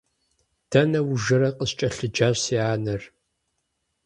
Дэнэ ужэрэ? – къыскӀэлъыджащ си анэр.